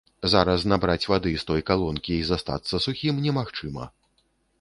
Зараз набраць вады з той калонкі і застацца сухім немагчыма.